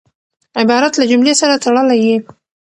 عبارت له جملې سره تړلی يي.